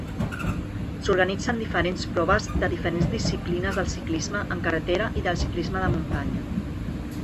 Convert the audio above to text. S'organitzen diferents proves de diferents disciplines del ciclisme en carretera i del ciclisme de muntanya.